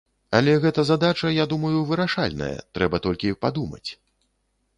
Але гэта задача, я думаю, вырашальная, трэба толькі падумаць.